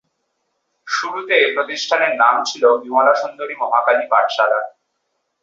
শুরুতে এ প্রতিষ্ঠানের নাম ছিল বিমলা সুন্দরী মহাকালী পাঠশালা।